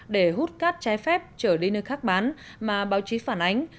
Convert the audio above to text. để hút cát trái phép trở đi nơi khác bán mà báo chí phản ánh